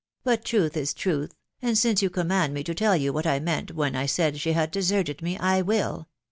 . but truth is truth, and since jou command me to tell you what I meant when I said she had deserted me, I will